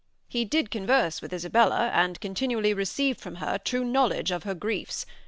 He did converse With Isabella, and continually Receiv'd from her true knowledge of her griefs.